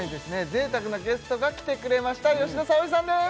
贅沢なゲストが来てくれました吉田沙保里さんです